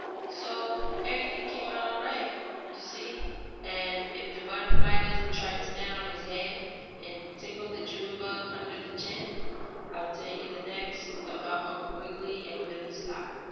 So everything came out all right, you see, and if the butterfly doesn't try to stand on its head and tickle the June bug under the chin, I'll tell you next about Uncle Wiggily and Billie's top.